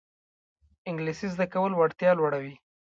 انګلیسي زده کول وړتیا لوړوي